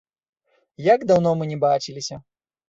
Як даўно мы не бачыліся!